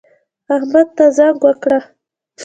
احمد ته زنګ وکړه